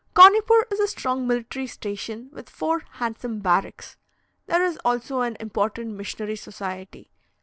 Caunipoor is a strong military station, with four handsome barracks; there is also an important missionary society.